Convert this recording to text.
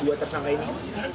dua tersangka ini